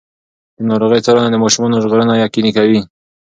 د ناروغۍ څارنه د ماشومانو ژغورنه یقیني کوي.